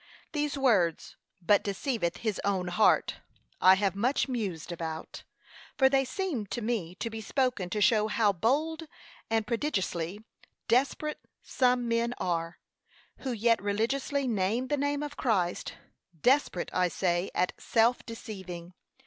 These words, 'but deceiveth his own heart,' I have much mused about: for they seem to me to be spoken to show how bold and prodigiously desperate some men are, who yet religiously name the name of Christ: desperate, I say, at self deceiving.